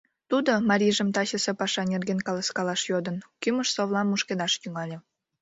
Тудо, марийжым тачысе паша нерген каласкалаш йодын, кӱмыж-совлам мушкедаш тӱҥале.